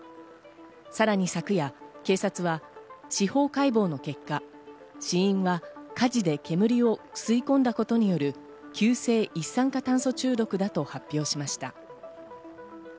さらに昨夜、警察が司法解剖の結果死因は火事で煙を吸い込んだことによる急性一酸化炭素中毒だと発表しました。